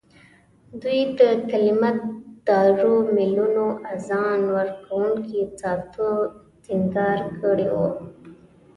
دوی د کلیمه دارو امېلونو، اذان ورکوونکو ساعتو سینګار کړي وو.